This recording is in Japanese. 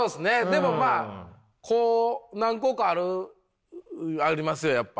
でもまあこう何個かあるありますよやっぱ。